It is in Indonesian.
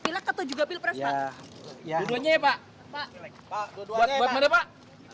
pak dua duanya ya pak